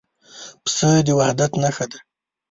پسه د وحدت نښه ده.